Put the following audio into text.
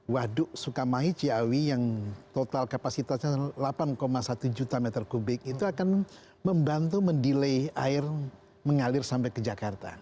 waduk sukamahi ciawi yang total kapasitasnya delapan satu juta meter kubik itu akan membantu mendelay air mengalir sampai ke jakarta